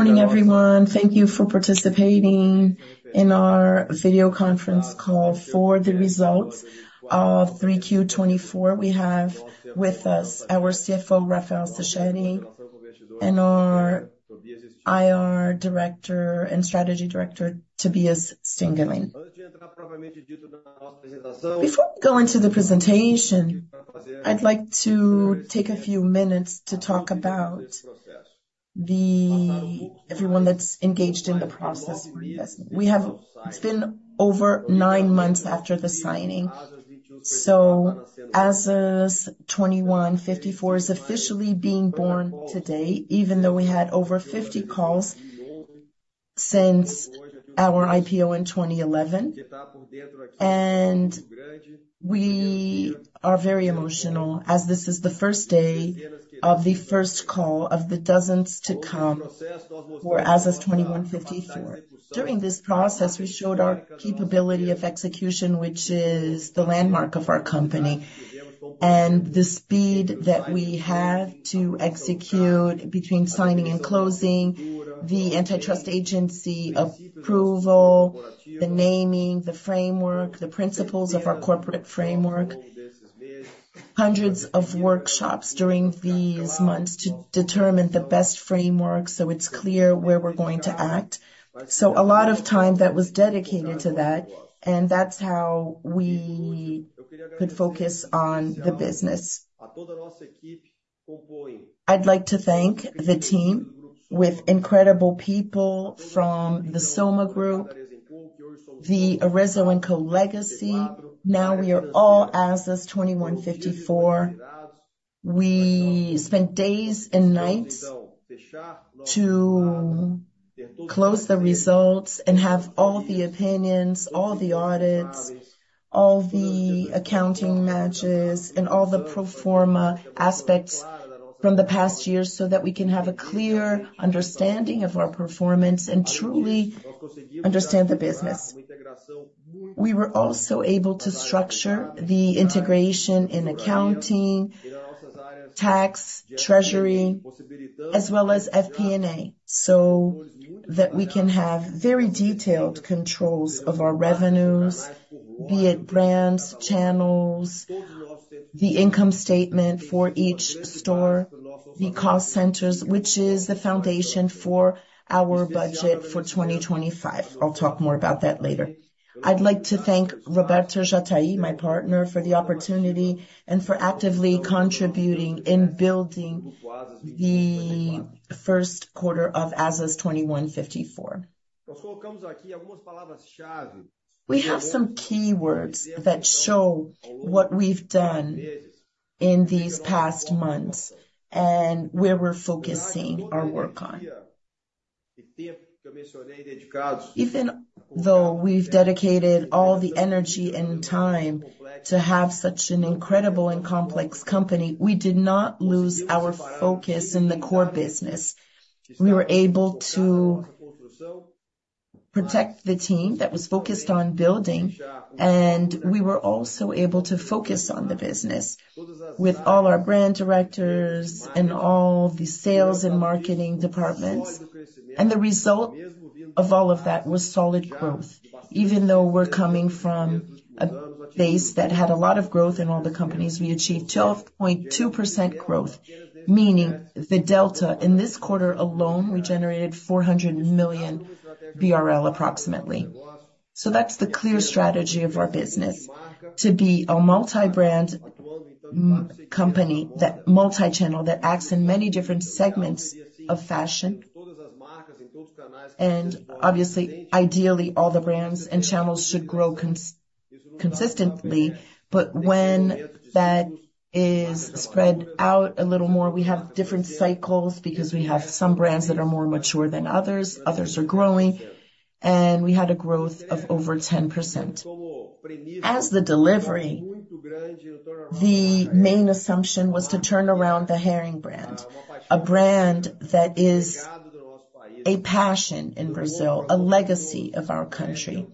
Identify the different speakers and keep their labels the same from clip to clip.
Speaker 1: Good morning, everyone. Thank you for participating in our video conference call for the results of Q3 2024. We have with us our CFO, Rafael Sachete, and our IR Director and Strategy Director, Tobias Stengelmann. Before we go into the presentation, I'd like to take a few minutes to talk about everyone that's engaged in the process for investment. It's been over nine months after the signing, so Azzas 2154 is officially being born today, even though we had over 50 calls since our IPO in 2011, and we are very emotional, as this is the first day of the first call of the dozens to come for Azzas 2154. During this process, we showed our capability of execution, which is the landmark of our company, and the speed that we have to execute between signing and closing, the antitrust agency approval, the naming, the framework, the principles of our corporate framework, hundreds of workshops during these months to determine the best framework so it's clear where we're going to act. So a lot of time that was dedicated to that, and that's how we could focus on the business. I'd like to thank the team with incredible people from the Soma Group, the Arezzo & Co legacy. Now we are all Azzas 2154. We spent days and nights to close the results and have all the opinions, all the audits, all the accounting matches, and all the pro forma aspects from the past year so that we can have a clear understanding of our performance and truly understand the business. We were also able to structure the integration in accounting, tax, treasury, as well as FP&A, so that we can have very detailed controls of our revenues, be it brands, channels, the income statement for each store, the cost centers, which is the foundation for our budget for 2025. I'll talk more about that later. I'd like to thank Roberto Jatahy, my partner, for the opportunity and for actively contributing in building the Q1 of Azzas 2154. We have some keywords that show what we've done in these past months and where we're focusing our work on. Even though we've dedicated all the energy and time to have such an incredible and complex company, we did not lose our focus in the core business. We were able to protect the team that was focused on building, and we were also able to focus on the business with all our brand directors and all the sales and marketing departments. And the result of all of that was solid growth. Even though we're coming from a base that had a lot of growth in all the companies, we achieved 12.2% growth, meaning the delta. In this quarter alone, we generated approximately 400 million BRL. So that's the clear strategy of our business: to be a multi-brand company, multi-channel that acts in many different segments of fashion. And obviously, ideally, all the brands and channels should grow consistently. But when that is spread out a little more, we have different cycles because we have some brands that are more mature than others. Others are growing, and we had a growth of over 10%. As the delivery, the main assumption was to turn around the Hering brand, a brand that is a passion in Brazil, a legacy of our country.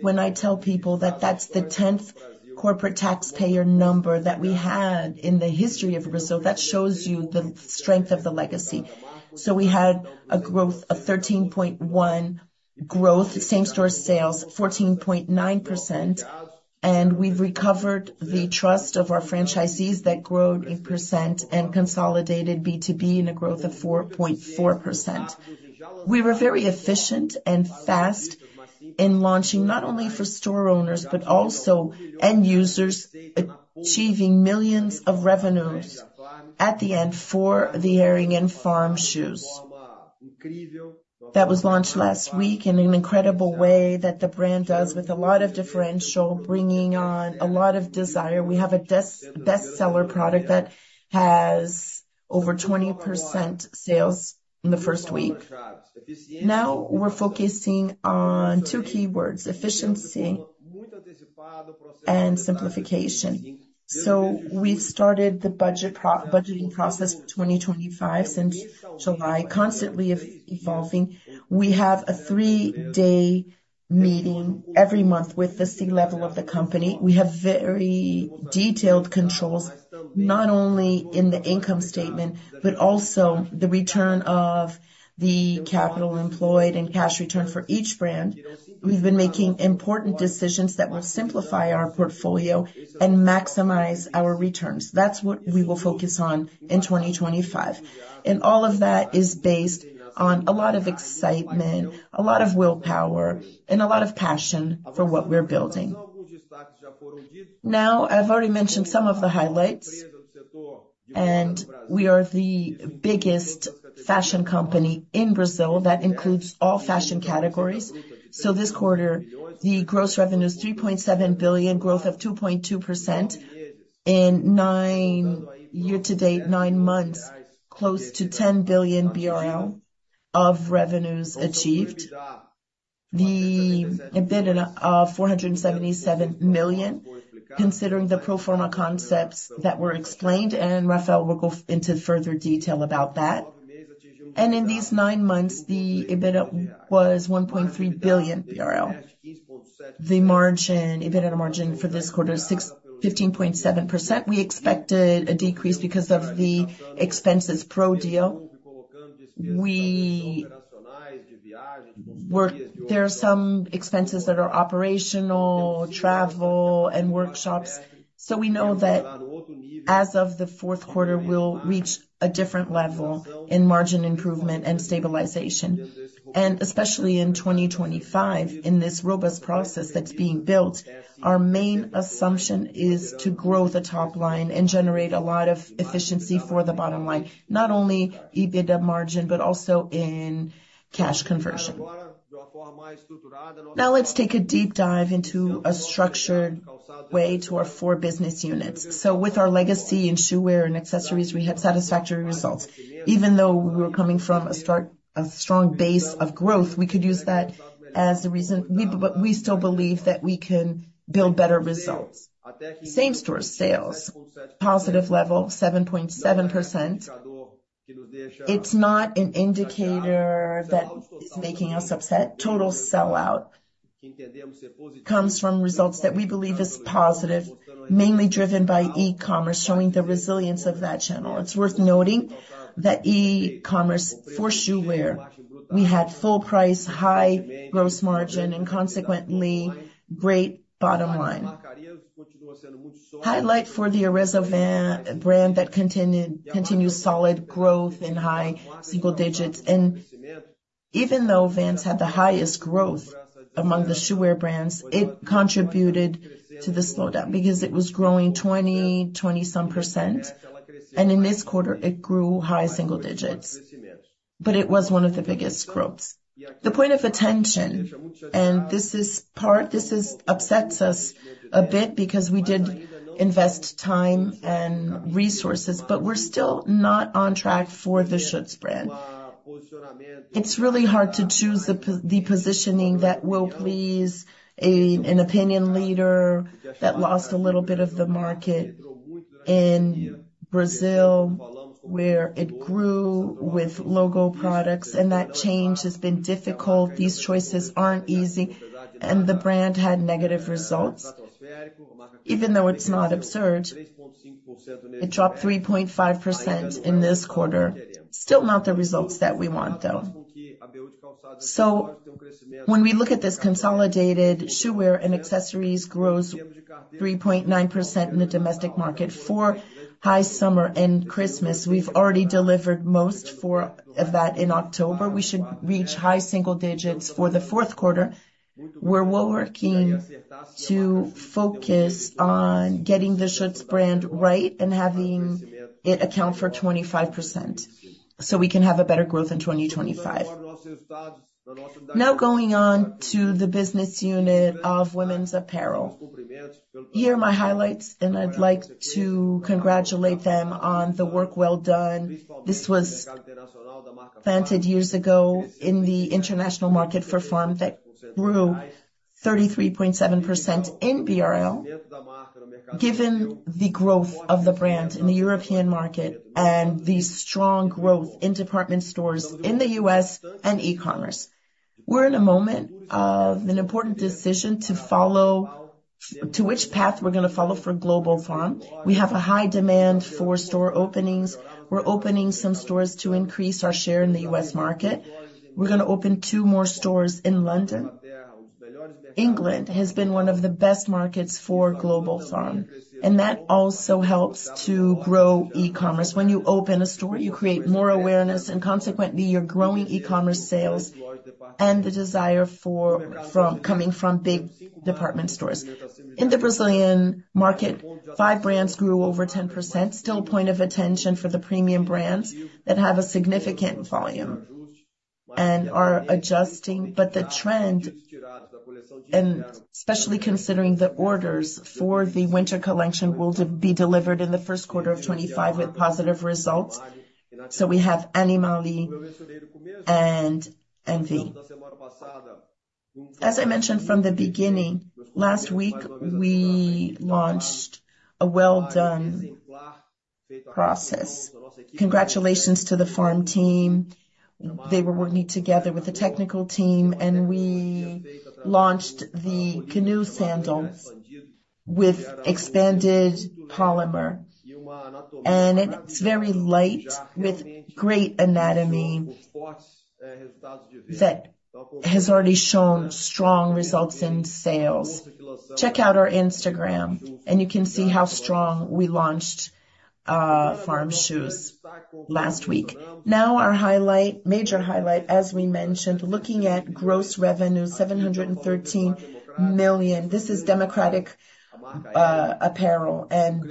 Speaker 1: When I tell people that that's the 10th corporate taxpayer number that we had in the history of Brazil, that shows you the strength of the legacy. So we had a growth of 13.1%, same-store sales 14.9%, and we've recovered the trust of our franchisees that grow 8% and consolidated B2B in a growth of 4.4%. We were very efficient and fast in launching not only for store owners but also end users, achieving millions of revenues at the end for the Hering and Farm shoes. That was launched last week in an incredible way that the brand does with a lot of differential, bringing on a lot of desire. We have a bestseller product that has over 20% sales in the first week. Now we're focusing on two keywords: efficiency and simplification. So we've started the budgeting process for 2025 since July, constantly evolving. We have a three-day meeting every month with the C-level of the company. We have very detailed controls, not only in the income statement but also the return of the capital employed and cash return for each brand. We've been making important decisions that will simplify our portfolio and maximize our returns. That's what we will focus on in 2025, and all of that is based on a lot of excitement, a lot of willpower, and a lot of passion for what we're building. Now, I've already mentioned some of the highlights, and we are the biggest fashion company in Brazil that includes all fashion categories. So this quarter, the gross revenue is 3.7 billion, growth of 2.2% in year-to-date nine months, close to 10 billion BRL of revenues achieved. The EBITDA of 477 million, considering the pro forma concepts that were explained, and Rafael will go into further detail about that. And in these nine months, the EBITDA was 1.3 billion BRL. The margin, EBITDA margin for this quarter is 15.7%. We expected a decrease because of the expenses pro-deal. There are some expenses that are operational, travel, and workshops. So we know that as of the Q4, we'll reach a different level in margin improvement and stabilization. Especially in 2025, in this robust process that's being built, our main assumption is to grow the top line and generate a lot of efficiency for the bottom line, not only EBITDA margin but also in cash conversion. Now, let's take a deep dive into a structured way to our four business units. With our legacy in footwear and accessories, we had satisfactory results. Even though we were coming from a strong base of growth, we could use that as a reason, but we still believe that we can build better results. Same-store sales, positive level, 7.7%. It's not an indicator that is making us upset. Total sell-out comes from results that we believe are positive, mainly driven by e-commerce, showing the resilience of that channel. It's worth noting that e-commerce for footwear, we had full price, high gross margin, and consequently, great bottom line. highlight for the Arezzo brand that continues solid growth and high single digits. Even though Vans had the highest growth among the footwear brands, it contributed to the slowdown because it was growing 20, 20-some %. And in this quarter, it grew high single digits, but it was one of the biggest growths. The point of attention, and this upsets us a bit because we did invest time and resources, but we're still not on track for the Schutz brand. It's really hard to choose the positioning that will please an opinion leader that lost a little bit of the market in Brazil, where it grew with logo products, and that change has been difficult. These choices aren't easy, and the brand had negative results. Even though it's not absurd, it dropped 3.5% in this quarter. Still not the results that we want, though. When we look at this consolidated footwear and accessories, it grows 3.9% in the domestic market for high summer and Christmas. We've already delivered most of that in October. We should reach high single digits for the Q4. We're working to focus on getting the Schutz brand right and having it account for 25% so we can have a better growth in 2025. Now going on to the business unit of women's apparel. Here are my highlights, and I'd like to congratulate them on the work well done. This was planted years ago in the international market for Farm that grew 33.7% in BRL, given the growth of the brand in the European market and the strong growth in department stores in the U.S. and e-commerce. We're in a moment of an important decision to follow to which path we're going to follow for Global Farm. We have a high demand for store openings. We're opening some stores to increase our share in the U.S. market. We're going to open two more stores in London. England has been one of the best markets for Global Farm, and that also helps to grow e-commerce. When you open a store, you create more awareness, and consequently, you're growing e-commerce sales and the desire coming from big department stores. In the Brazilian market, five brands grew over 10%. Still a point of attention for the premium brands that have a significant volume and are adjusting. But the trend, and especially considering the orders for the winter collection, will be delivered in the Q1 of 2025 with positive results. So we have Animale and NV. As I mentioned from the beginning, last week, we launched a well-done process. Congratulations to the Farm team. They were working together with the technical team, and we launched the Canoe Sandals with expanded polymer. It's very light with great anatomy that has already shown strong results in sales. Check out our Instagram, and you can see how strong we launched Farm Shoes last week. Now, our major highlight, as we mentioned, looking at gross revenue, 713 million. This is democratic apparel and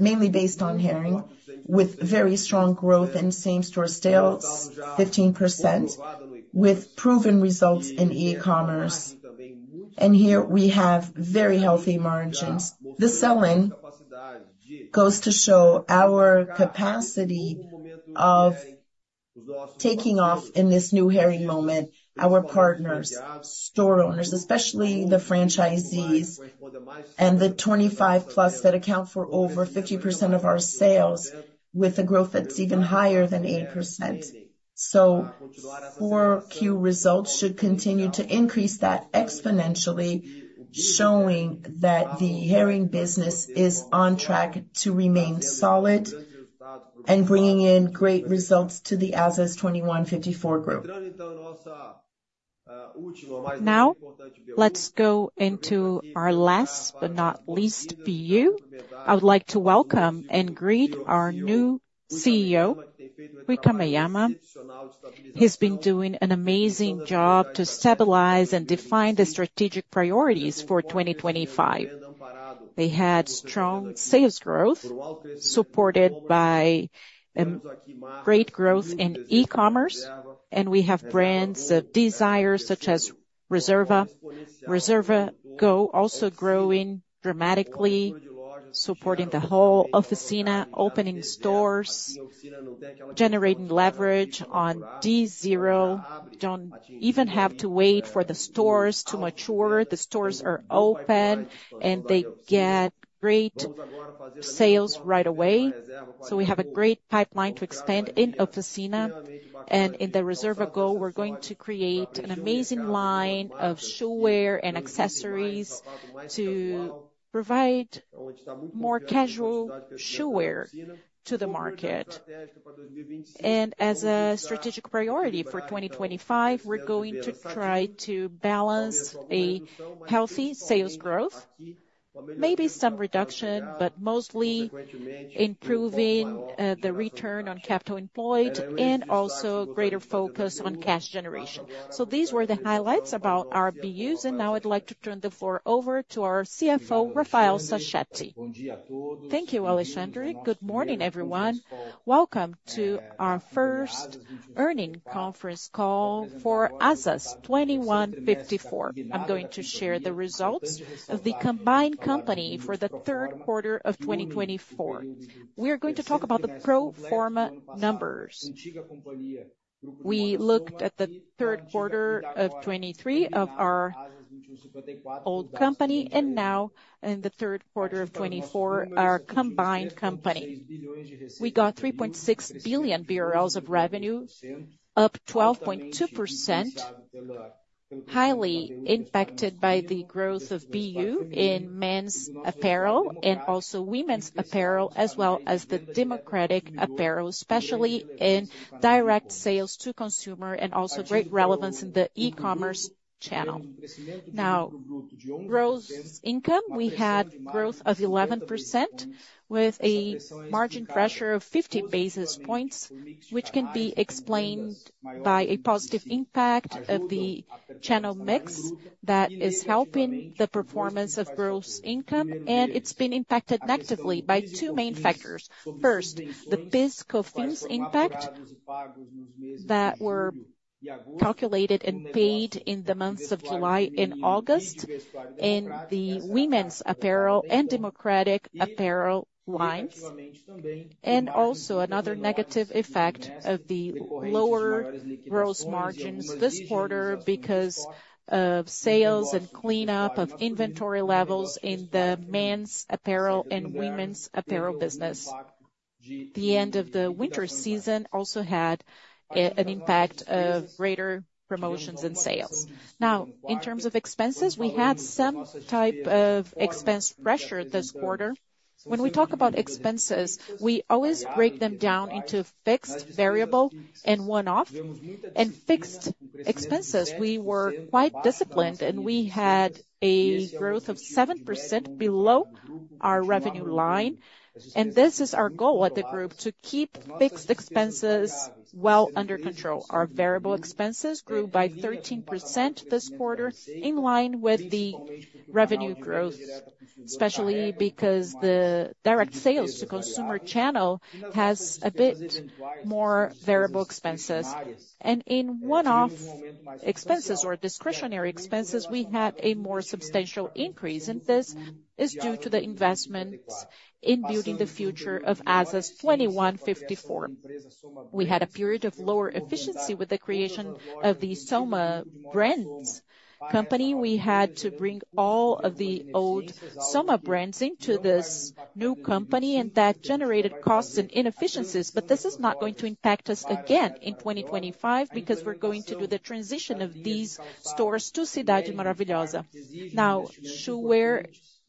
Speaker 1: mainly based on Hering, with very strong growth in same-store sales, 15%, with proven results in e-commerce. Here we have very healthy margins. The sellout goes to show our capacity of taking off in this new Hering moment, our partners, store owners, especially the franchisees and the 25-plus that account for over 50% of our sales, with a growth that's even higher than 8%. So four key results should continue to increase that exponentially, showing that the Hering business is on track to remain solid and bringing in great results to the Azzas 2154 group. Now, let's go into our last but not least BU. I would like to welcome and greet our new CEO, Ruy Kameyama. He's been doing an amazing job to stabilize and define the strategic priorities for 2025. They had strong sales growth supported by great growth in e-commerce, and we have brands of desire such as Reserva. Reserva Go also growing dramatically, supporting the whole of Oficina, opening stores, generating leverage on D0. Don't even have to wait for the stores to mature. The stores are open, and they get great sales right away. So we have a great pipeline to expand in Oficina. In the Reserva Go, we're going to create an amazing line of shoewear and accessories to provide more casual shoewear to the market. As a strategic priority for 2025, we're going to try to balance a healthy sales growth, maybe some reduction, but mostly improving the return on capital employed and also greater focus on cash generation. These were the highlights about our BUs, and now I'd like to turn the floor over to our CFO, Rafael Sachete.
Speaker 2: Thank you, Alexandre. Good morning, everyone. Welcome to our first earnings conference call for Azzas 2154. I'm going to share the results of the combined company for the Q3 of 2024. We're going to talk about the pro forma numbers. We looked at the Q3 of 2023 of our old company, and now in the Q3 of 2024, our combined company. We got 3.6 billion BRL of revenue, up 12.2%, highly impacted by the growth of BU in men's apparel and also women's apparel, as well as the Democratic apparel, especially in direct sales to consumer, and also great relevance in the e-commerce channel. Now, gross income, we had growth of 11% with a margin pressure of 50 basis points, which can be explained by a positive impact of the channel mix that is helping the performance of gross income, and it's been impacted negatively by two main factors. First, the fiscal fees impact that were calculated and paid in the months of July and August in the women's apparel and Democratic apparel lines, and also another negative effect of the lower gross margins this quarter because of sales and cleanup of inventory levels in the men's apparel and women's apparel business. The end of the winter season also had an impact of greater promotions and sales. Now, in terms of expenses, we had some type of expense pressure this quarter. When we talk about expenses, we always break them down into fixed, variable, and one-off, and fixed expenses, we were quite disciplined, and we had a growth of 7% below our revenue line, and this is our goal at the group, to keep fixed expenses well under control. Our variable expenses grew by 13% this quarter, in line with the revenue growth, especially because the direct sales to consumer channel has a bit more variable expenses, and in one-off expenses or discretionary expenses, we had a more substantial increase, and this is due to the investments in building the future of Azzas 2154. We had a period of lower efficiency with the creation of the Soma Brands company. We had to bring all of the old Soma brands into this new company, and that generated costs and inefficiencies, but this is not going to impact us again in 2025 because we're going to do the transition of these stores to Cidade Maravilhosa. Now, shoewear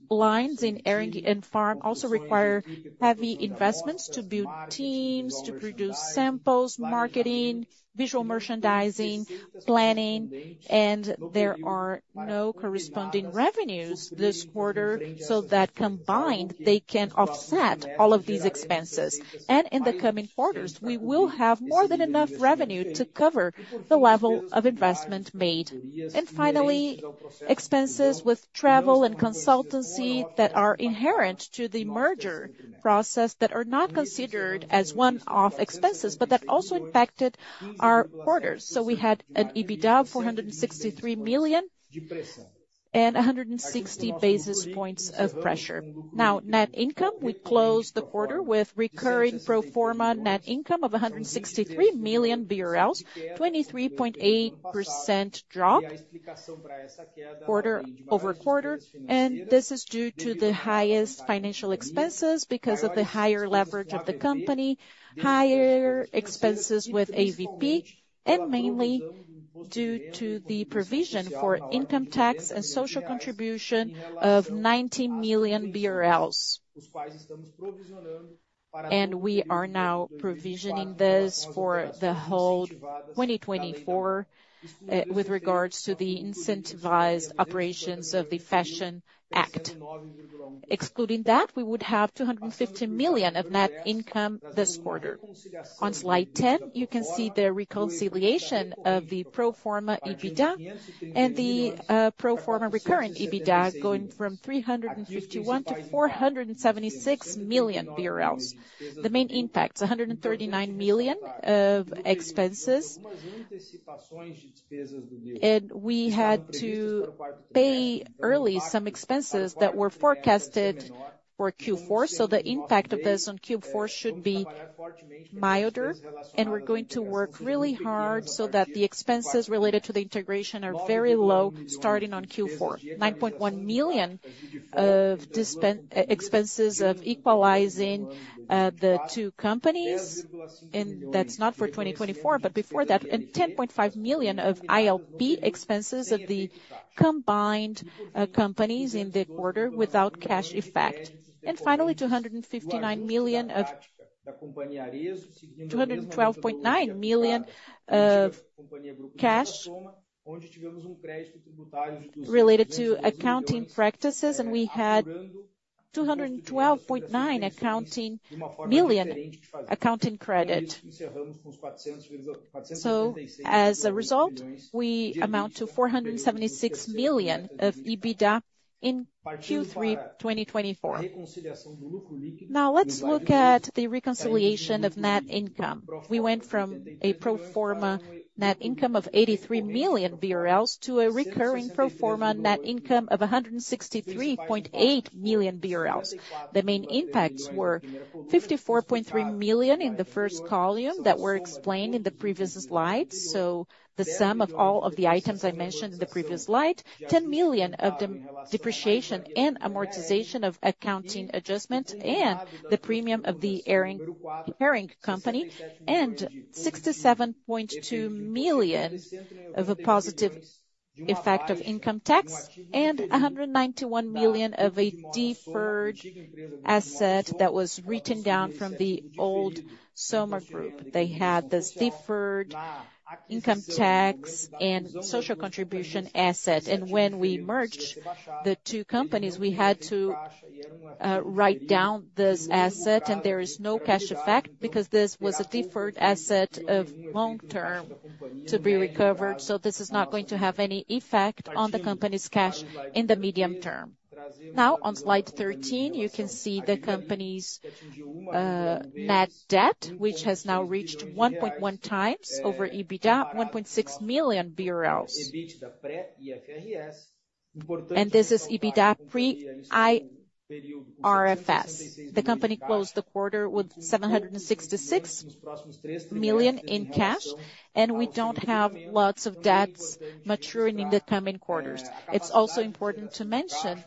Speaker 2: lines in Hering and Farm also require heavy investments to build teams, to produce samples, marketing, visual merchandising, planning, and there are no corresponding revenues this quarter, so that combined, they can offset all of these expenses, and in the coming quarters, we will have more than enough revenue to cover the level of investment made, and finally, expenses with travel and consultancy that are inherent to the merger process that are not considered as one-off expenses, but that also impacted our quarters, so we had an EBITDA of 463 million and 160 basis points of pressure. Now, net income. We closed the quarter with recurring pro forma net income of 163 million BRL, 23.8% drop quarter over quarter, and this is due to the highest financial expenses because of the higher leverage of the company, higher expenses with AVP, and mainly due to the provision for income tax and social contribution of 90 million BRL. And we are now provisioning this for the whole 2024 with regards to the incentivized operations of the Fashion Act. Excluding that, we would have 250 million of net income this quarter. On slide 10, you can see the reconciliation of the pro forma EBITDA and the pro forma recurrent EBITDA going from 351 to 476 million BRL. The main impact, 139 million of expenses, and we had to pay early some expenses that were forecasted for Q4, so the impact of this on Q4 should be milder. We're going to work really hard so that the expenses related to the integration are very low starting on Q4. 9.1 million BRL of expenses of equalizing the two companies. That's not for 2024, but before that, and 10.5 million BRL of ILP expenses of the combined companies in the quarter without cash effect. Finally, 259 million BRL of 212.9 million BRL of cash related to accounting practices. We had 212.9 million BRL accounting credit. As a result, we amount to 476 million BRL of EBITDA in Q3 2024. Now, let's look at the reconciliation of net income. We went from a pro forma net income of 83 million BRL to a recurring pro forma net income of 163.8 million BRL. The main impacts were 54.3 million BRL in the first column that were explained in the previous slides. So the sum of all of the items I mentioned in the previous slide, 10 million of the depreciation and amortization of accounting adjustment and the premium of the Hering company, and 67.2 million of a positive effect of income tax, and 191 million of a deferred asset that was written down from the old Soma Group. They had this deferred income tax and social contribution asset. And when we merged the two companies, we had to write down this asset, and there is no cash effect because this was a deferred asset of long term to be recovered. So this is not going to have any effect on the company's cash in the medium term. Now, on slide 13, you can see the company's net debt, which has now reached 1.1 times over EBITDA, 1.6 million BRL. And this is EBITDA pre-IFRS. The company closed the quarter with 766 million in cash, and we don't have lots of debts maturing in the coming quarters. It's also important to mention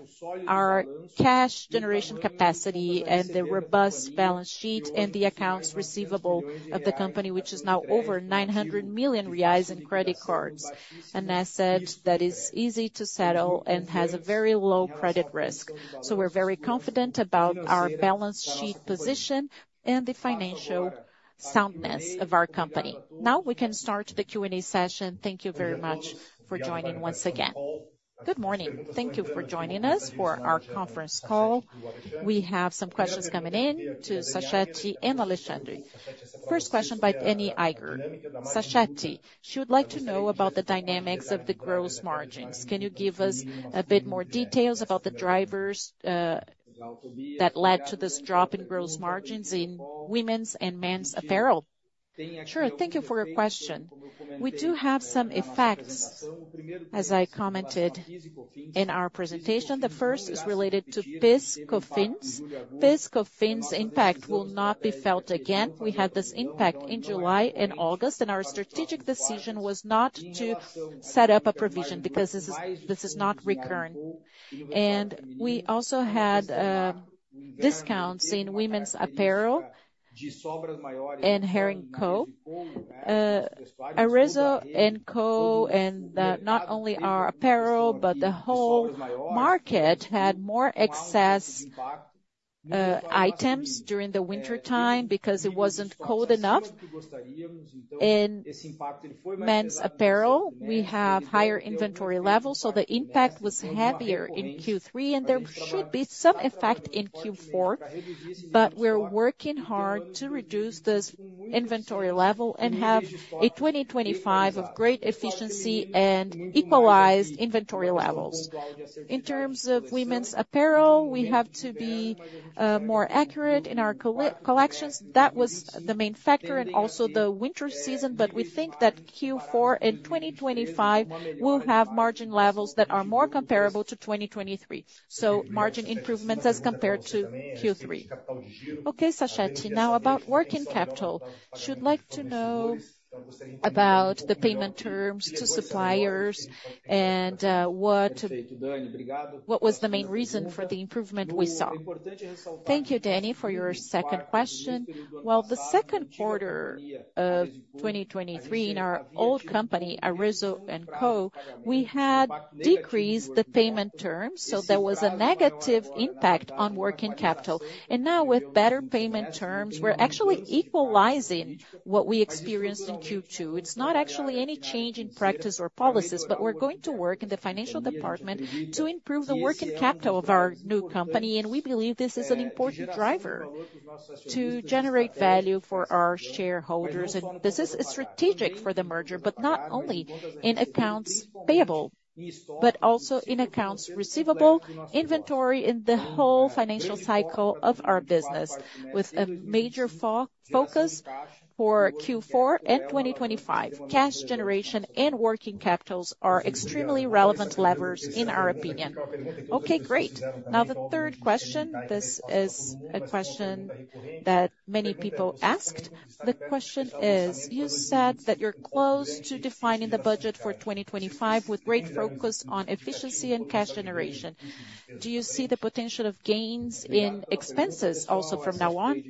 Speaker 2: our cash generation capacity and the robust balance sheet and the accounts receivable of the company, which is now over 900 million reais in credit cards, an asset that is easy to settle and has a very low credit risk. So we're very confident about our balance sheet position and the financial soundness of our company. Now we can start the Q&A session. Thank you very much for joining once again.
Speaker 3: Good morning. Thank you for joining us for our conference call. We have some questions coming in to Sachete and Alexandre. First question by Daniella Eiger. Sachete, she would like to know about the dynamics of the gross margins. Can you give us a bit more details about the drivers that led to this drop in gross margins in women's and men's apparel?
Speaker 2: Sure. Thank you for your question. We do have some effects, as I commented in our presentation. The first is related to fiscal fees. Fiscal fees impact will not be felt again. We had this impact in July and August, and our strategic decision was not to set up a provision because this is not recurring, and we also had discounts in women's apparel and Hering. Arezzo & Co. and not only our apparel, but the whole market had more excess items during the wintertime because it wasn't cold enough. In men's apparel, we have higher inventory levels, so the impact was heavier in Q3, and there should be some effect in Q4, but we're working hard to reduce this inventory level and have a 2025 of great efficiency and equalized inventory levels. In terms of women's apparel, we have to be more accurate in our collections. That was the main factor and also the winter season, but we think that Q4 and 2025 will have margin levels that are more comparable to 2023. So margin improvements as compared to Q3.
Speaker 3: Okay, Sachete, now about working capital. She'd like to know about the payment terms to suppliers and what was the main reason for the improvement we saw. Thank you, Daniella, for your second question.
Speaker 2: The Q2 of 2023 in our old company, Arezzo & Co., we had decreased the payment terms, so there was a negative impact on working capital. Now with better payment terms, we're actually equalizing what we experienced in Q2. It's not actually any change in practice or policies, but we're going to work in the financial department to improve the working capital of our new company. We believe this is an important driver to generate value for our shareholders. This is strategic for the merger, but not only in accounts payable, but also in accounts receivable, inventory, and the whole financial cycle of our business with a major focus for Q4 and 2025. Cash generation and working capitals are extremely relevant levers, in our opinion.
Speaker 3: Okay, great. Now, the third question, this is a question that many people asked. The question is, you said that you're close to defining the budget for 2025 with great focus on efficiency and cash generation. Do you see the potential of gains in expenses also from now on?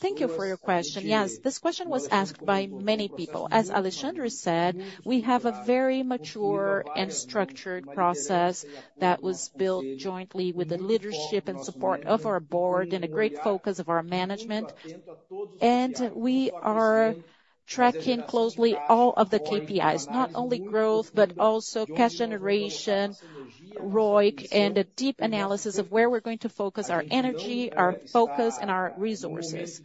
Speaker 2: Thank you for your question. Yes, this question was asked by many people. As Alexandre said, we have a very mature and structured process that was built jointly with the leadership and support of our board and a great focus of our management, and we are tracking closely all of the KPIs, not only growth, but also cash generation, ROIC, and a deep analysis of where we're going to focus our energy, our focus, and our resources.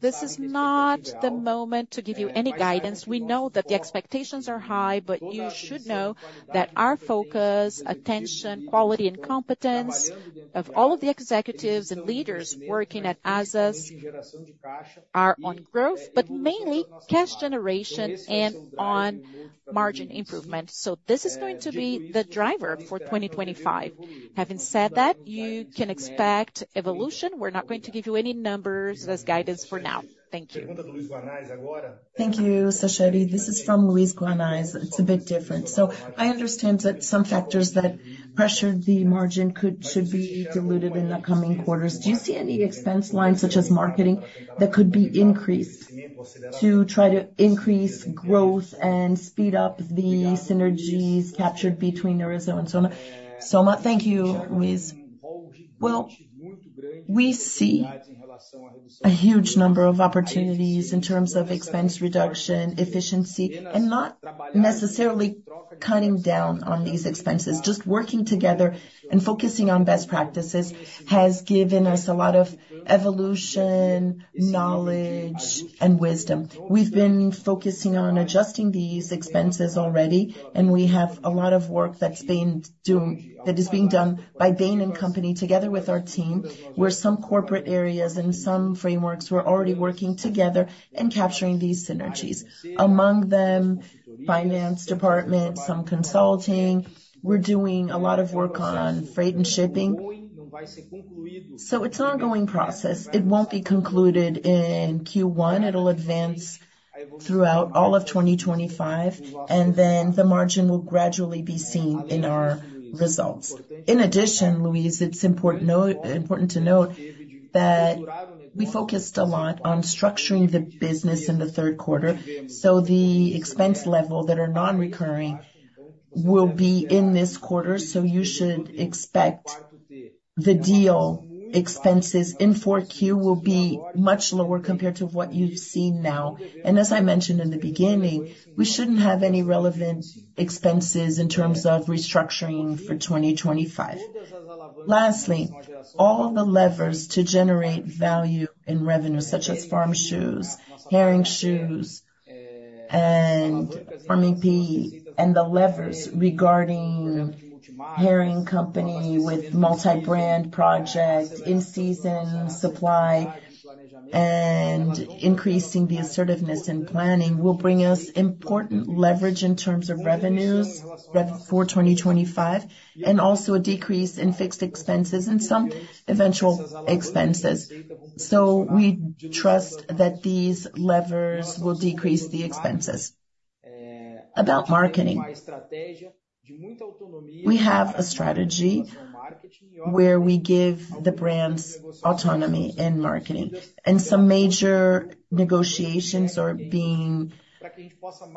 Speaker 2: This is not the moment to give you any guidance. We know that the expectations are high, but you should know that our focus, attention, quality, and competence of all of the executives and leaders working at Azzas are on growth, but mainly cash generation and on margin improvement. So this is going to be the driver for 2025. Having said that, you can expect evolution. We're not going to give you any numbers as guidance for now. Thank you.
Speaker 3: Thank you, Sachete. This is from Luiz Guanais. It's a bit different. So I understand that some factors that pressured the margin should be diluted in the coming quarters. Do you see any expense lines, such as marketing, that could be increased to try to increase growth and speed up the synergies captured between Arezzo and Soma? Thank you, Luiz.
Speaker 2: We see a huge number of opportunities in terms of expense reduction, efficiency, and not necessarily cutting down on these expenses. Just working together and focusing on best practices has given us a lot of evolution, knowledge, and wisdom. We've been focusing on adjusting these expenses already, and we have a lot of work that is being done by Bain & Company together with our team, where some corporate areas and some frameworks were already working together and capturing these synergies. Among them, finance department, some consulting. We're doing a lot of work on freight and shipping. So it's an ongoing process. It won't be concluded in Q1. It'll advance throughout all of 2025, and then the margin will gradually be seen in our results. In addition, Luis, it's important to note that we focused a lot on structuring the business in the Q3. So the expense level that are non-recurring will be in this quarter. So you should expect the deal expenses in 4Q will be much lower compared to what you've seen now. And as I mentioned in the beginning, we shouldn't have any relevant expenses in terms of restructuring for 2025. Lastly, all the levers to generate value in revenue, such as Farm Shoes, Hering Shoes, and Farm Rio, and the levers regarding Hering company with multi-brand project, in-season supply, and increasing the assertiveness in planning will bring us important leverage in terms of revenues for 2025, and also a decrease in fixed expenses and some eventual expenses. So we trust that these levers will decrease the expenses. About marketing, we have a strategy where we give the brands autonomy in marketing. And some major negotiations are being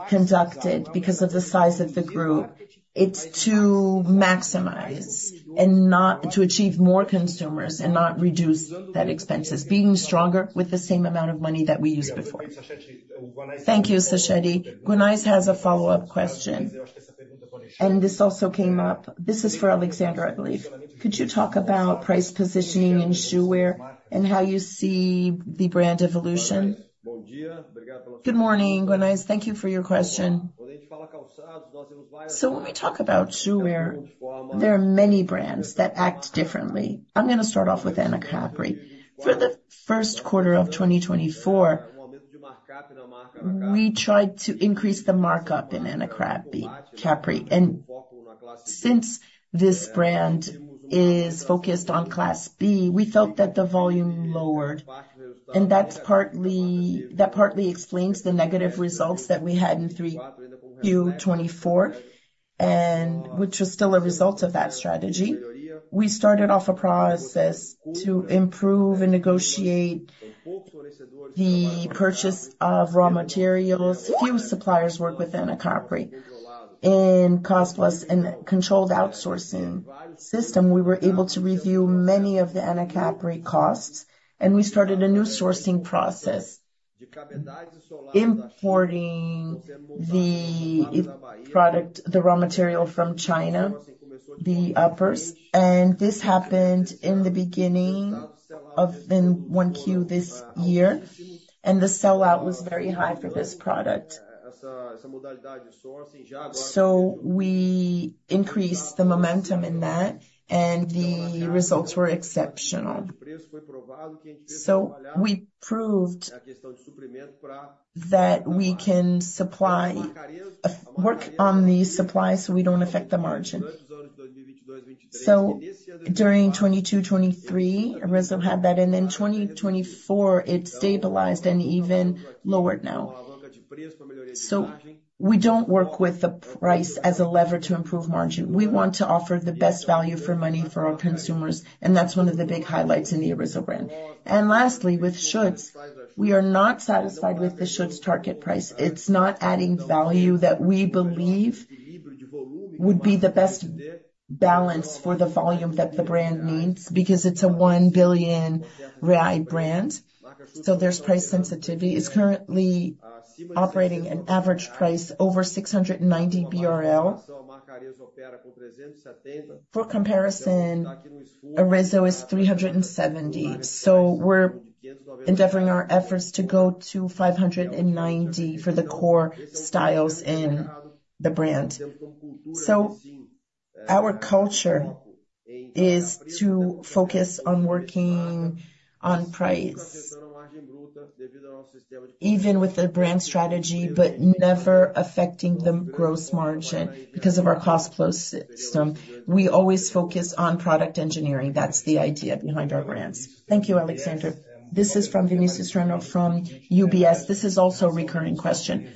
Speaker 2: conducted because of the size of the group. It's to maximize and not to achieve more consumers and not reduce that expenses, being stronger with the same amount of money that we used before.
Speaker 3: Thank you, Sachete. Guanais has a follow-up question, and this also came up. This is for Alexandre, I believe. Could you talk about price positioning in footwear and how you see the brand evolution?
Speaker 1: Good morning, Guanais. Thank you for your question. So when we talk about footwear, there are many brands that act differently. I'm going to start off with Anacapri. For the Q1 of 2024, we tried to increase the markup in Anacapri. And since this brand is focused on Class B, we felt that the volume lowered. And that partly explains the negative results that we had in 3Q24, which was still a result of that strategy. We started off a process to improve and negotiate the purchase of raw materials. Few suppliers work with Anacapri. In Cost Plus and Controlled Outsourcing System, we were able to review many of the Anacapri costs, and we started a new sourcing process, importing the raw material from China, the uppers, and this happened in the beginning of 1Q this year, and the sellout was very high for this product. We increased the momentum in that, and the results were exceptional. We proved that we can work on the supply so we don't affect the margin. During 2022-2023, Arezzo had that, and then 2024, it stabilized and even lowered now. We don't work with the price as a lever to improve margin. We want to offer the best value for money for our consumers, and that's one of the big highlights in the Arezzo brand. And lastly, with Schutz, we are not satisfied with the Schutz target price. It's not adding value that we believe would be the best balance for the volume that the brand needs because it's a 1 billion BRL brand. So there's price sensitivity. It's currently operating an average price over 690 BRL. For comparison, Arezzo is 370 BRL. So we're endeavoring our efforts to go to 590 BRL for the core styles in the brand. So our culture is to focus on working on price, even with the brand strategy, but never affecting the gross margin because of our cost flow system. We always focus on product engineering. That's the idea behind our brands.
Speaker 3: Thank you, Alexandre. This is from Vinicius Strano from UBS. This is also a recurring question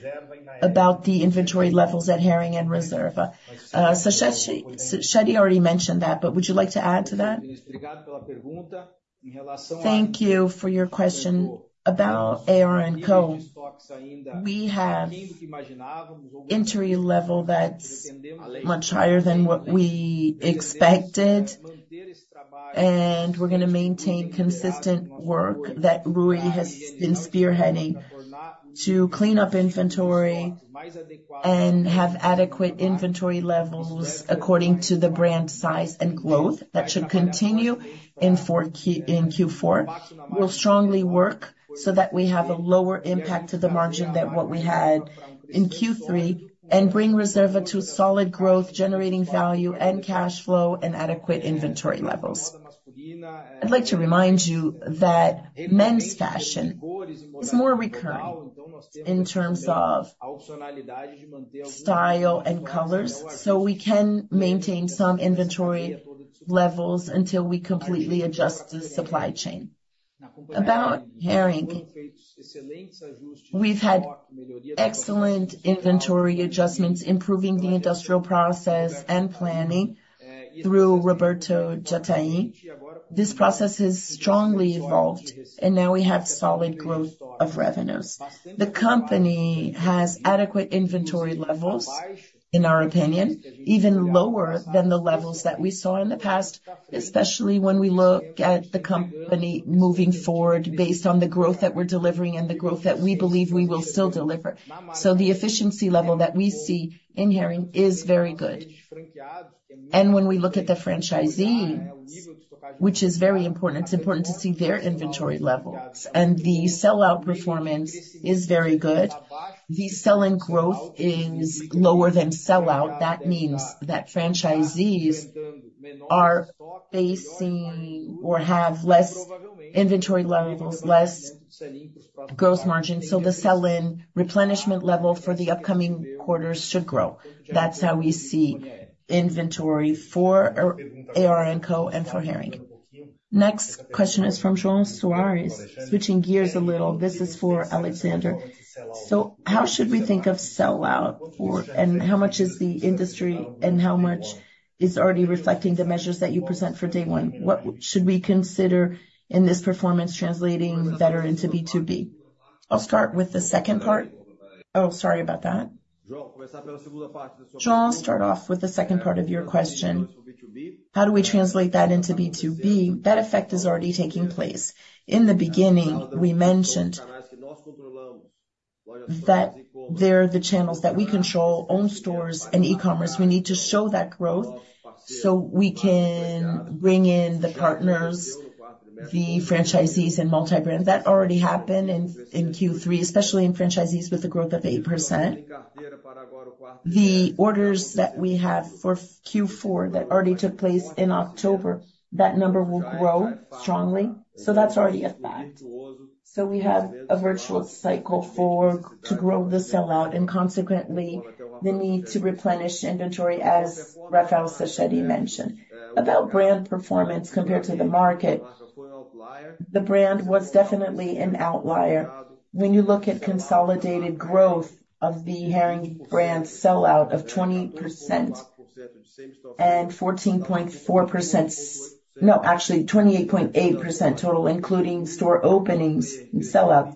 Speaker 3: about the inventory levels at Hering and Reserva. Sachete already mentioned that, but would you like to add to that?
Speaker 1: Thank you for your question. About AR&Co, we have an entry level that's much higher than what we expected, and we're going to maintain consistent work that Ruy has been spearheading to clean up inventory and have adequate inventory levels according to the brand size and growth that should continue in Q4. We'll strongly work so that we have a lower impact to the margin than what we had in Q3 and bring Reserva to solid growth, generating value and cash flow and adequate inventory levels. I'd like to remind you that men's fashion is more recurring in terms of style and colors, so we can maintain some inventory levels until we completely adjust the supply chain. About Hering, we've had excellent inventory adjustments, improving the industrial process and planning through Roberto Jataí. This process has strongly evolved, and now we have solid growth of revenues. The company has adequate inventory levels, in our opinion, even lower than the levels that we saw in the past, especially when we look at the company moving forward based on the growth that we're delivering and the growth that we believe we will still deliver. So the efficiency level that we see in Hering is very good. And when we look at the franchisee, which is very important, it's important to see their inventory level. And the sellout performance is very good. The selling growth is lower than sellout. That means that franchisees are facing or have less inventory levels, less gross margin. So the selling replenishment level for the upcoming quarters should grow. That's how we see inventory for AR&Co and for Hering. Next question is from João Soares, switching gears a little.
Speaker 3: This is for Alexandre. So how should we think of sellout, and how much is the industry, and how much is already reflecting the measures that you present for day one? What should we consider in this performance translating better into B2B?
Speaker 1: I'll start with the second part. Oh, sorry about that. João, start off with the second part of your question. How do we translate that into B2B? That effect is already taking place. In the beginning, we mentioned that they're the channels that we control, own stores and e-commerce. We need to show that growth so we can bring in the partners, the franchisees, and multi-brands. That already happened in Q3, especially in franchisees with the growth of 8%. The orders that we have for Q4 that already took place in October, that number will grow strongly. So that's already a fact. So we have a virtuous cycle to grow the sellout and consequently the need to replenish inventory, as Rafael Sachete mentioned. About brand performance compared to the market, the brand was definitely an outlier. When you look at consolidated growth of the Hering brand sellout of 20% and 14.4%, no, actually 28.8% total, including store openings and sellout,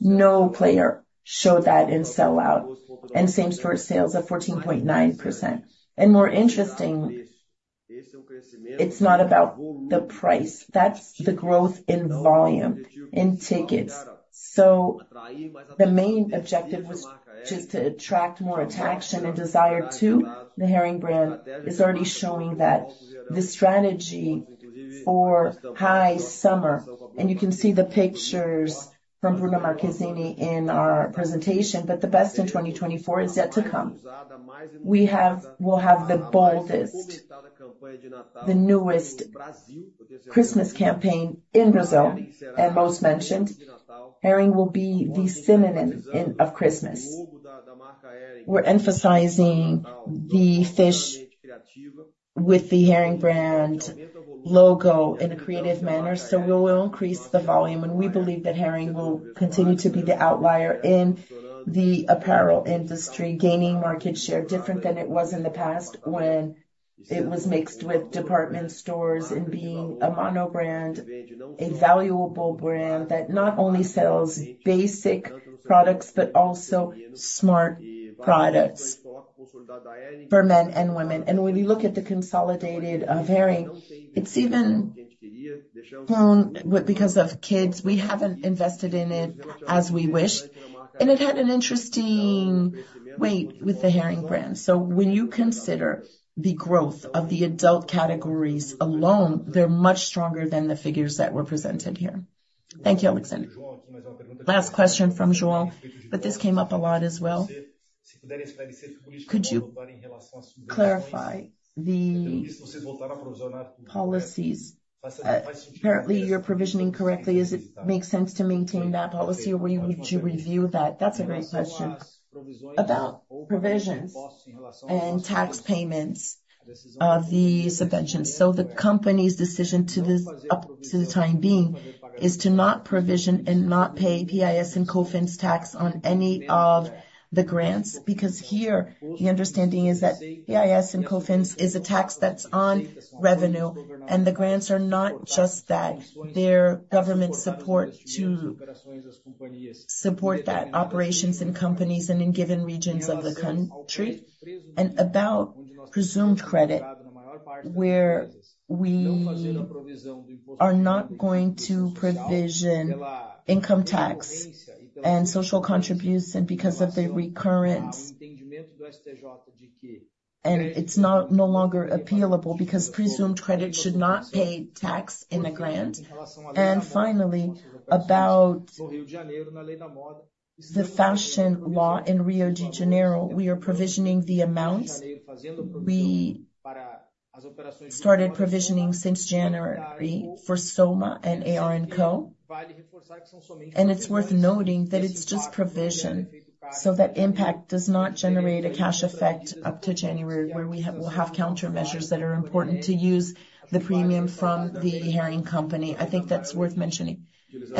Speaker 1: no player showed that in sellout. And same store sales of 14.9%. And more interesting, it's not about the price. That's the growth in volume, in tickets. So the main objective was just to attract more attraction and desire to the Hering brand. It's already showing that the strategy for high summer, and you can see the pictures from Bruno Marchesini in our presentation, but the best in 2024 is yet to come. We will have the boldest, the newest Christmas campaign in Brazil, and most mentioned. Hering will be the synonym of Christmas. We're emphasizing the fish with the Hering brand logo in a creative manner. So we will increase the volume, and we believe that Hering will continue to be the outlier in the apparel industry, gaining market share different than it was in the past when it was mixed with department stores and being a monobrand, a valuable brand that not only sells basic products but also smart products for men and women. When you look at the consolidated of Hering, it's even grown because of kids. We haven't invested in it as we wished, and it had an interesting weight with the Hering brand. So when you consider the growth of the adult categories alone, they're much stronger than the figures that were presented here.
Speaker 3: Thank you, Alexandre. Last question from João, but this came up a lot as well. Could you clarify the policies? Apparently, you're provisioning correctly. Does it make sense to maintain that policy, or would you review that?
Speaker 1: That's a great question. About provisions and tax payments of the subventions. So the company's decision for the time being is to not provision and not pay PIS and COFINS tax on any of the grants because here the understanding is that PIS and COFINS is a tax that's on revenue, and the grants are not just that. is government support to support those operations and companies in given regions of the country. About presumed credit, where we are not going to provision Income Tax and Social Contribution because of the recurrent, and it's no longer appealable because Presumed Credit should not pay tax in the grant. Finally, about the Fashion Act in Rio de Janeiro, we are provisioning the amounts we started provisioning since January for Soma and AR&Co. It's worth noting that it's just provision so that impact does not generate a cash effect up to January, where we will have countermeasures that are important to use the premium from the Hering company. I think that's worth mentioning.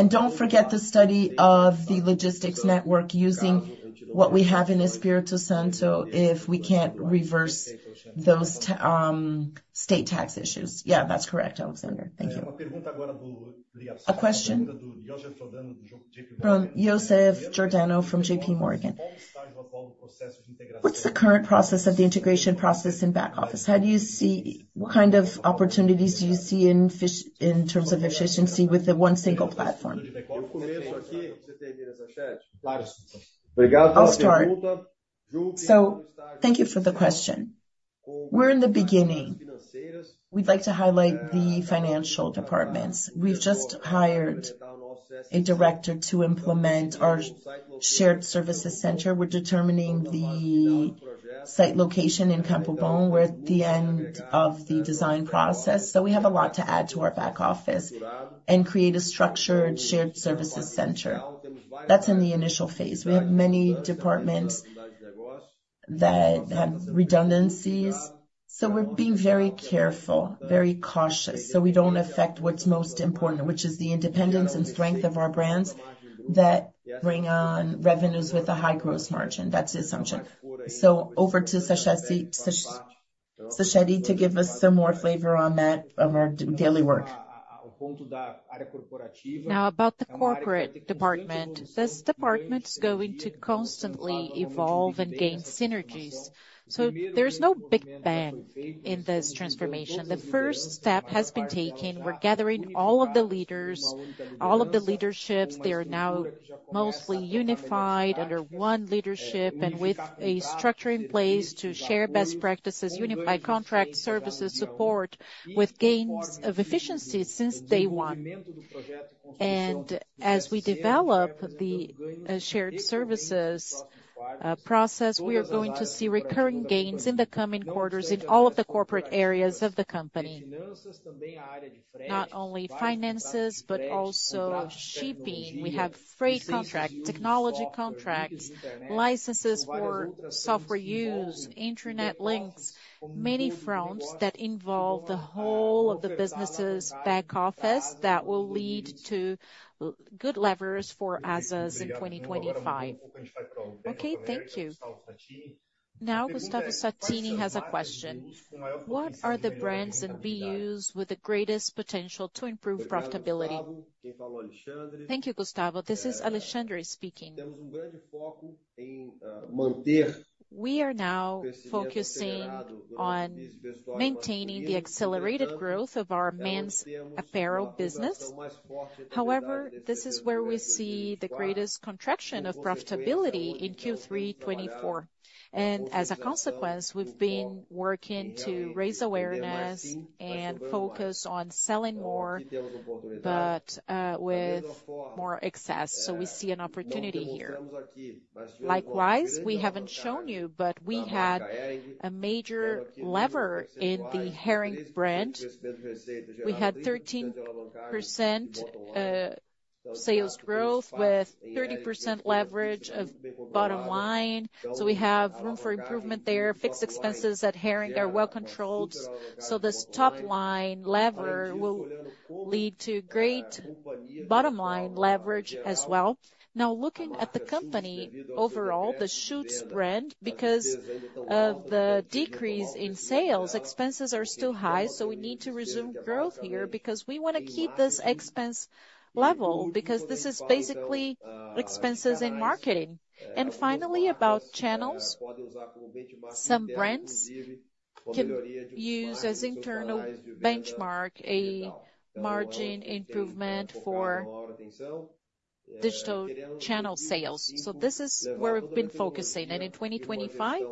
Speaker 1: Don't forget the study of the logistics network using what we have in Espírito Santo if we can't reverse those state tax issues.
Speaker 3: Yeah, that's correct, Alexandre. Thank you. A question from Joseph Giordano from JP Morgan. What's the current process of the integration process in back office? How do you see what kind of opportunities do you see in terms of efficiency with the one single platform?
Speaker 1: I'll start. Thank you for the question. We're in the beginning. We'd like to highlight the financial departments. We've just hired a director to implement our shared services center. We're determining the site location in Campo Bom at the end of the design process. So we have a lot to add to our back office and create a structured shared services center. That's in the initial phase. We have many departments that have redundancies. So we're being very careful, very cautious, so we don't affect what's most important, which is the independence and strength of our brands that bring on revenues with a high gross margin. That's the assumption. So over to Sachete to give us some more flavor on that of our daily work.
Speaker 2: Now, about the corporate department. This department is going to constantly evolve and gain synergies, so there's no big bang in this transformation. The first step has been taken. We're gathering all of the leaders, all of the leaderships. They are now mostly unified under one leadership and with a structure in place to share best practices, unify contract services, support with gains of efficiency since day one, and as we develop the shared services process, we are going to see recurring gains in the coming quarters in all of the corporate areas of the company, not only finances but also shipping. We have freight contracts, technology contracts, licenses for software use, internet links, many fronts that involve the whole of the business's back office that will lead to good levers for Azzas 2154 in 2025.
Speaker 3: Okay, thank you. Now, Gustavo Senday has a question. What are the brands and BUs with the greatest potential to improve profitability?
Speaker 1: Thank you, Gustavo. This is Alexandre speaking. We are now focusing on maintaining the accelerated growth of our men's apparel business. However, this is where we see the greatest contraction of profitability in Q3 2024, and as a consequence, we've been working to raise awareness and focus on selling more, but with more excess, so we see an opportunity here. Likewise, we haven't shown you, but we had a major lever in the Hering brand. We had 13% sales growth with 30% leverage of bottom line, so we have room for improvement there. Fixed expenses at Hering are well controlled. So this top line lever will lead to great bottom line leverage as well. Now, looking at the company overall, the Schutz brand, because of the decrease in sales, expenses are still high. So we need to resume growth here because we want to keep this expense level because this is basically expenses in marketing. And finally, about channels, some brands can use as internal benchmark a margin improvement for digital channel sales. So this is where we've been focusing. And in 2025,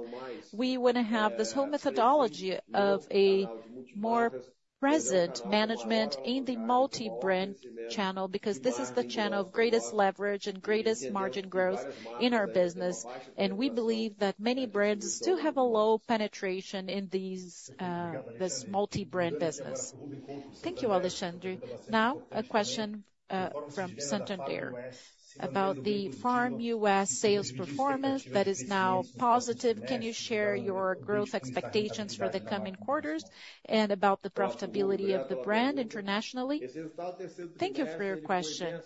Speaker 1: we want to have this whole methodology of a more present management in the multi-brand channel because this is the channel of greatest leverage and greatest margin growth in our business. And we believe that many brands still have a low penetration in this multi-brand business.
Speaker 3: Thank you, Alexandre. Now, a question from Santander about the Farm U.S. sales performance that is now positive. Can you share your growth expectations for the coming quarters and about the profitability of the brand internationally?
Speaker 1: Thank you for your question.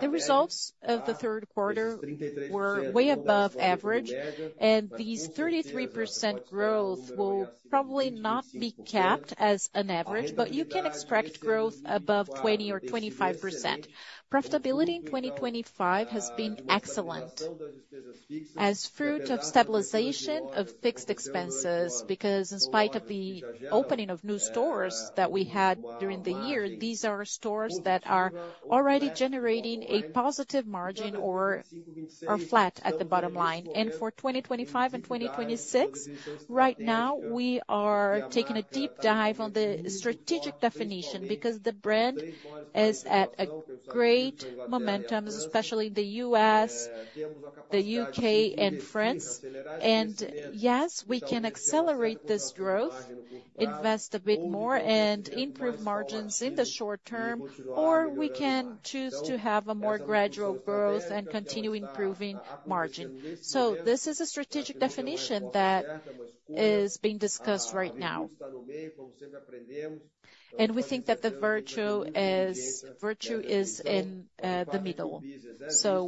Speaker 1: The results of the Q3 were way above average, and these 33% growth will probably not be capped as an average, but you can expect growth above 20% or 25%. Profitability in 2025 has been excellent as fruit of stabilization of fixed expenses because in spite of the opening of new stores that we had during the year, these are stores that are already generating a positive margin or are flat at the bottom line. And for 2025 and 2026, right now, we are taking a deep dive on the strategic definition because the brand is at a great momentum, especially in the U.S., the U.K., and France. Yes, we can accelerate this growth, invest a bit more, and improve margins in the short term, or we can choose to have a more gradual growth and continue improving margin. This is a strategic definition that is being discussed right now. We think that the virtue is in the middle.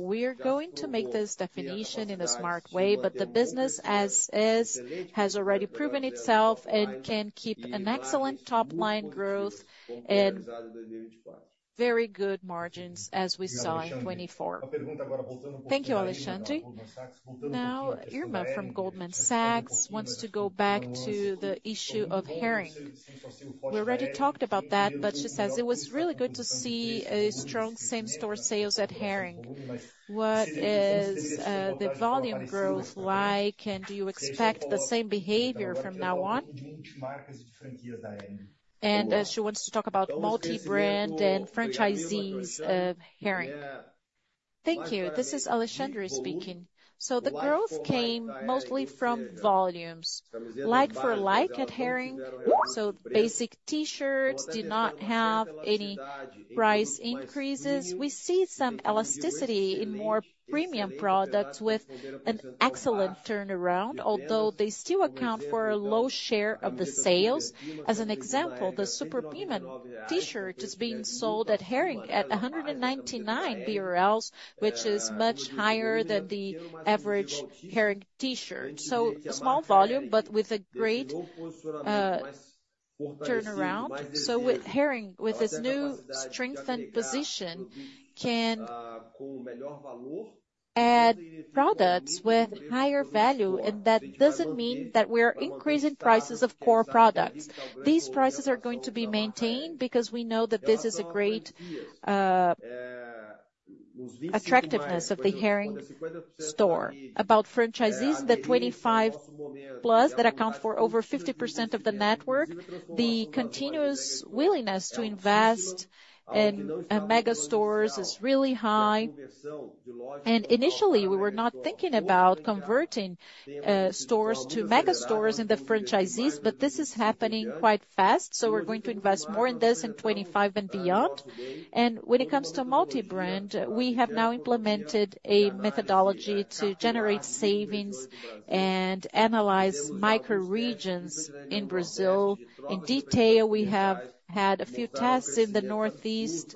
Speaker 1: We are going to make this definition in a smart way, but the business as is has already proven itself and can keep an excellent top line growth and very good margins as we saw in 2024.
Speaker 3: Thank you, Alexandre. Now, Irma from Goldman Sachs wants to go back to the issue of Hering. We already talked about that, but she says it was really good to see a strong same-store sales at Hering. What is the volume growth like, and do you expect the same behavior from now on? She wants to talk about multi-brand and franchisees of Hering.
Speaker 1: Thank you. This is Alexandre speaking. The growth came mostly from volumes. Like for like at Hering. Basic T-shirts did not have any price increases. We see some elasticity in more premium products with an excellent turnaround, although they still account for a low share of the sales. As an example, the Superman T-shirt is being sold at Hering at 199 BRL, which is much higher than the average Hering T-shirt. Small volume, but with a great turnaround. With Hering, with this new strengthened position, can add products with higher value, and that doesn't mean that we are increasing prices of core products. These prices are going to be maintained because we know that this is a great attractiveness of the Hering store. About franchisees, the 25 plus that account for over 50% of the network, the continuous willingness to invest in mega stores is really high, and initially, we were not thinking about converting stores to mega stores in the franchisees, but this is happening quite fast, so we're going to invest more in this in 2025 and beyond, and when it comes to multi-brand, we have now implemented a methodology to generate savings and analyze micro regions in Brazil. In detail, we have had a few tests in the Northeast,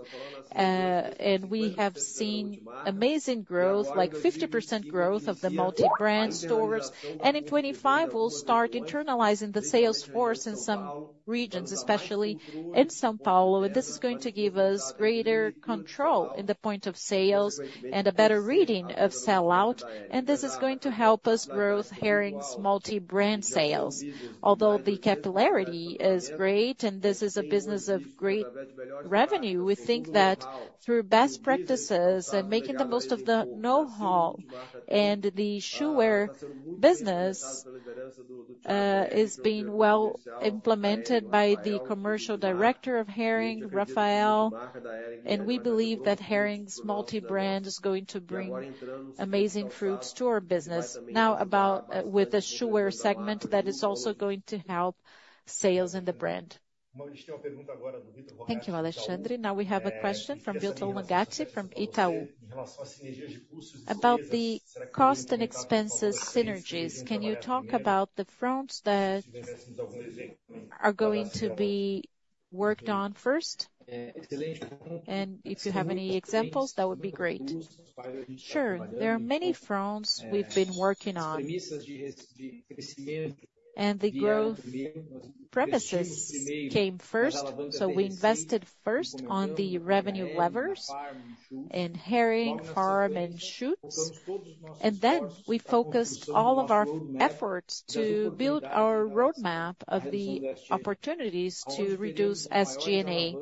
Speaker 1: and we have seen amazing growth, like 50% growth of the multi-brand stores, and in 2025, we'll start internalizing the sales force in some regions, especially in São Paulo, and this is going to give us greater control in the point of sales and a better reading of sellout, and this is going to help us grow Hering's multi-brand sales. Although the capillarity is great and this is a business of great revenue, we think that through best practices and making the most of the know-how and the footwear business is being well implemented by the commercial director of Hering, Rafael. We believe that Hering's multi-brand is going to bring amazing fruits to our business. Now, about the footwear segment, that is also going to help sales in the brand.
Speaker 3: Thank you, Alexandre. Now we have a question from Vilto Lungati from Itaú. About the cost and expenses synergies, can you talk about the fronts that are going to be worked on first? And if you have any examples, that would be great.
Speaker 2: Sure. There are many fronts we've been working on. The growth premises came first. So we invested first on the revenue levers in Hering, Farm, and Schutz. And then we focused all of our efforts to build our roadmap of the opportunities to reduce SG&A,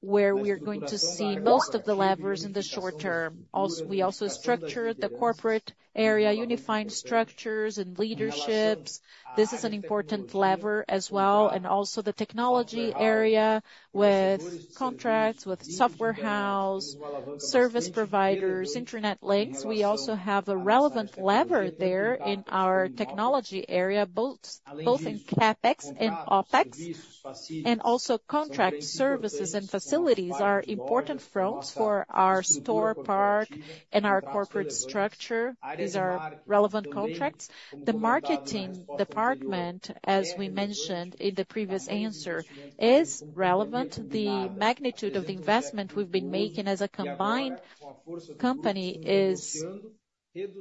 Speaker 2: where we are going to see most of the levers in the short term. We also structured the corporate area, unifying structures and leaderships. This is an important lever as well. And also the technology area with contracts, with software house, service providers, internet links. We also have a relevant lever there in our technology area, both in CapEx and OPEX, and also contract services and facilities are important fronts for our store park and our corporate structure. These are relevant contracts. The marketing department, as we mentioned in the previous answer, is relevant. The magnitude of the investment we've been making as a combined company is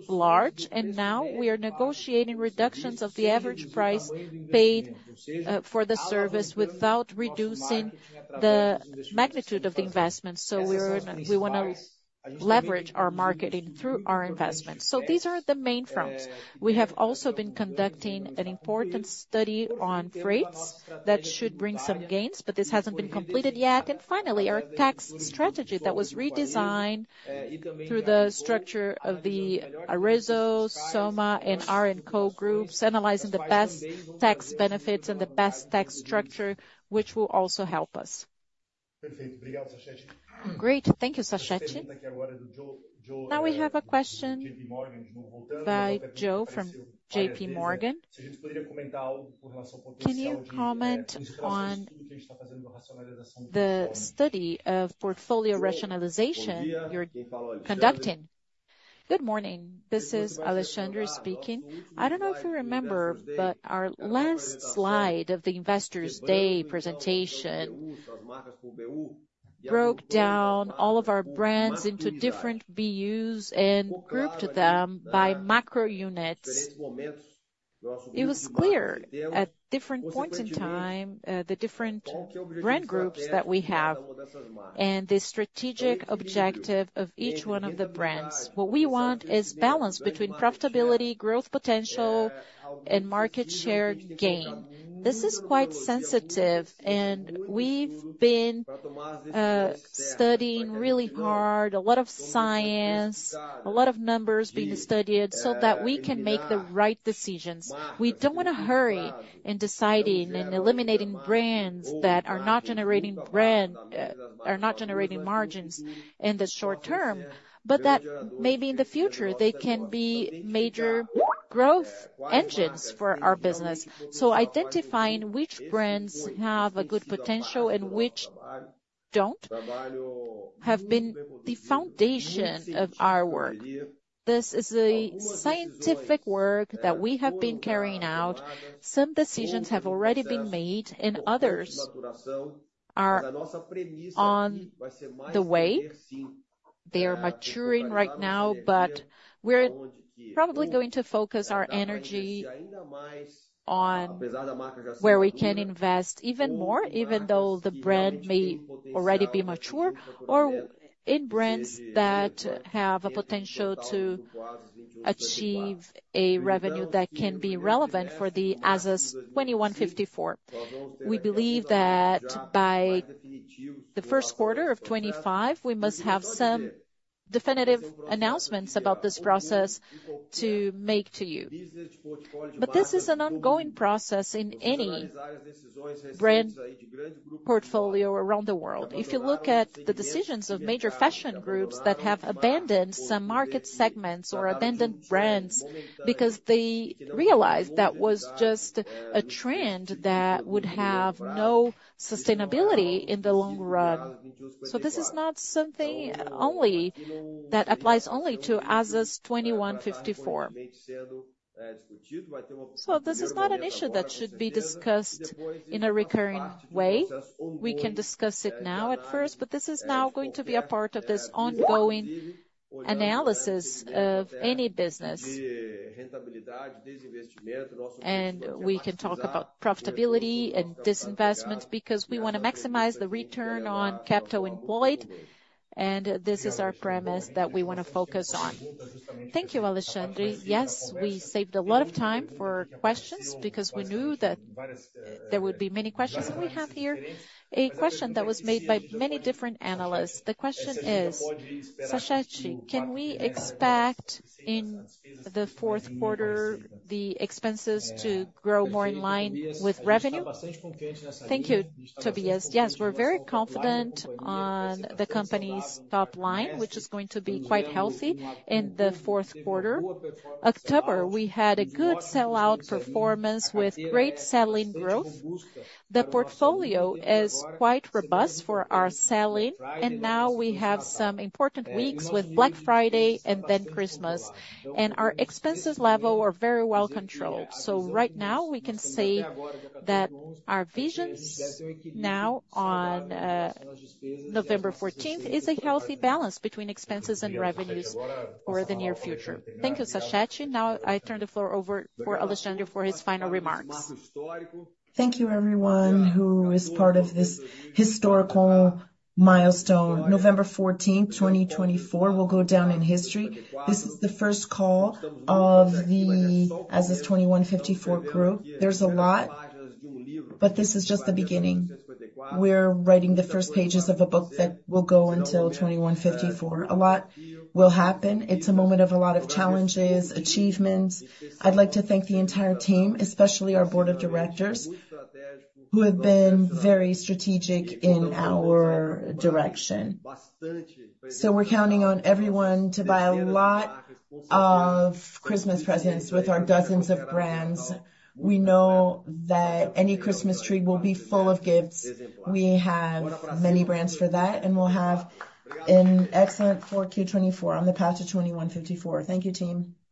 Speaker 2: large. And now we are negotiating reductions of the average price paid for the service without reducing the magnitude of the investment. So we want to leverage our marketing through our investment. So these are the main fronts. We have also been conducting an important study on freights that should bring some gains, but this hasn't been completed yet. And finally, our tax strategy that was redesigned through the structure of the Arezzo, Soma, and AR&Co groups, analyzing the best tax benefits and the best tax structure, which will also help us. Great.
Speaker 3: Thank you, Sachete. Now we have a question by Joe from JP Morgan. Can you comment on the study of portfolio rationalization you're conducting?
Speaker 1: Good morning. This is Alexandre speaking. I don't know if you remember, but our last slide of the investors' day presentation broke down all of our brands into different BUs and grouped them by macro units. It was clear at different points in time, the different brand groups that we have and the strategic objective of each one of the brands. What we want is balance between profitability, growth potential, and market share gain. This is quite sensitive, and we've been studying really hard, a lot of science, a lot of numbers being studied so that we can make the right decisions. We don't want to hurry in deciding and eliminating brands that are not generating margins in the short term, but that maybe in the future, they can be major growth engines for our business, so identifying which brands have a good potential and which don't have been the foundation of our work. This is a scientific work that we have been carrying out. Some decisions have already been made, and others are on the way. They are maturing right now, but we're probably going to focus our energy on where we can invest even more, even though the brand may already be mature or in brands that have a potential to achieve a revenue that can be relevant for the Azzas 2154. We believe that by the Q1 of 2025, we must have some definitive announcements about this process to make to you. But this is an ongoing process in any brand portfolio around the world. If you look at the decisions of major fashion groups that have abandoned some market segments or abandoned brands because they realized that was just a trend that would have no sustainability in the long run. So this is not something that applies only to Azzas 2154. So this is not an issue that should be discussed in a recurring way. We can discuss it now at first, but this is now going to be a part of this ongoing analysis of any business. We can talk about profitability and disinvestment because we want to maximize the return on capital employed, and this is our premise that we want to focus on.
Speaker 4: Thank you, Alexandre. Yes, we saved a lot of time for questions because we knew that there would be many questions. We have here a question that was made by many different analysts. The question is, Sachete, can we expect in the Q4 the expenses to grow more in line with revenue?
Speaker 2: Thank you, Tobias. Yes, we're very confident on the company's top line, which is going to be quite healthy in the Q4. October, we had a good sellout performance with great selling growth. The portfolio is quite robust for our selling, and now we have some important weeks with Black Friday and then Christmas, and our expenses level are very well controlled, so right now, we can say that our vision now on November 14th is a healthy balance between expenses and revenues for the near future.
Speaker 4: Thank you, Sachete. Now I turn the floor over for Alexandre for his final remarks.
Speaker 1: Thank you, everyone who is part of this historical milestone. November 14th, 2024, will go down in history. This is the first call of the Azzas 2154 group. There's a lot, but this is just the beginning. We're writing the first pages of a book that will go until 2154. A lot will happen. It's a moment of a lot of challenges, achievements. I'd like to thank the entire team, especially our board of directors, who have been very strategic in our direction. We're counting on everyone to buy a lot of Christmas presents with our dozens of brands. We know that any Christmas tree will be full of gifts. We have many brands for that, and we'll have an excellent 4Q24 on the path to 2154. Thank you, team.